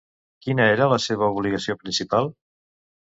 Quina era la seva obligació principal?